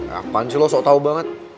ya apaan sih lo sok tau banget